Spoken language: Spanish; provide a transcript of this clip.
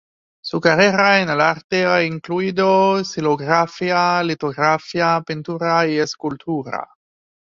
Su carrera en el arte ha incluido xilografía, litografía, pintura y escultura.